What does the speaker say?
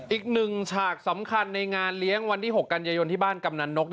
อีกหนึ่งฉากสำคัญในงานเลี้ยงวันที่๖กันยายนที่บ้านกำนันนก